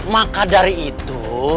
maka dari itu